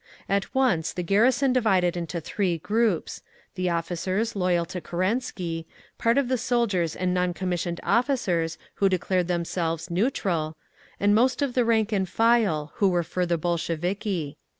At once the garrison divided into three groups—the officers, loyal to Kerenskly; part of the soldiers and non commissioned officers, who declared themselves "neutral"; and most of the rank and file, who were for the Bolsheviki.